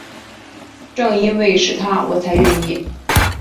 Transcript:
正因为是他我才愿意